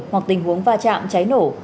hoặc tình huống va chạm cháy nổ